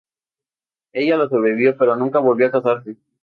Ella lo sobrevivió pero nunca volvió a casarse.